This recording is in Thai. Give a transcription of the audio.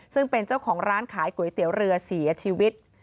ซึ่งเป็นเจ้าของร้านขายก๋วยเตี๋ยวเรือเสียชีวิต